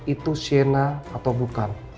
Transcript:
itu siena atau bukan